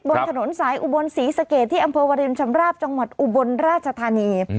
บนถนนสายอุบลศรีสะเกดที่อำเภอวรินชำราบจังหวัดอุบลราชธานี